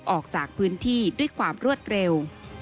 ออกจากพื้นที่ด้วยความรวดเร็ว